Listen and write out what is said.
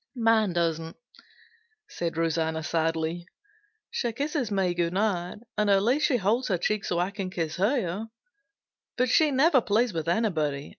"Mine doesn't," said Rosanna sadly. "She kisses me good night; at least she holds her cheek so I can kiss her, but she never plays with anybody.